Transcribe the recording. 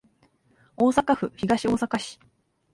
大阪府東大阪市